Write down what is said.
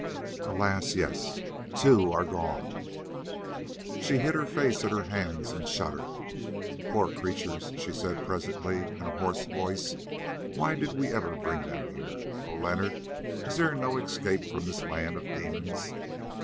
"Alas! yes. Two are gone." She hid her face in her hands and shuddered. "Poor creatures!" she said presently in a hoarse voice. "Why did we ever bring them here? Oh! Leonard, is there no escape from this land of demons?"